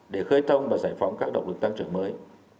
để khởi tông và giải phóng các động lực tăng trưởng mới